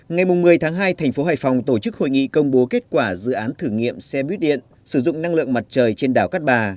ngày một mươi tháng hai tp hcm tổ chức hội nghị công bố kết quả dự án thử nghiệm xe bước điện sử dụng năng lượng mặt trời trên đảo cát bà